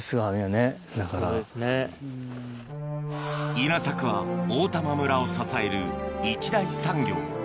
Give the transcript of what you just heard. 稲作は大玉村を支える一大産業